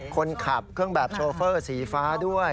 คนขับเครื่องแบบโชเฟอร์สีฟ้าด้วย